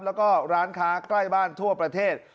แล้วก็ร้านค้าใกล้บ้านทั่วประเทศ